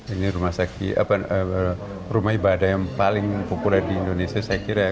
ini rumah ibadah yang paling populer di indonesia saya kira ya